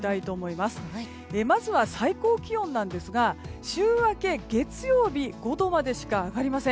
まずは最高気温ですが週明け、月曜日５度までしか上がりません。